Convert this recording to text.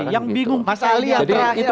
yang bingung mas ali yang terakhir